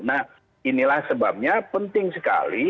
nah inilah sebabnya penting sekali